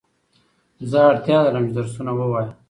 زه اړتیا لرم چي درسونه ووایم